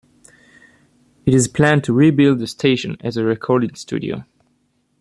It is planned to rebuild the station as a recording studio.